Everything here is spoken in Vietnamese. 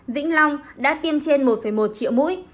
vĩnh long đã tiêm trên một một triệu mũi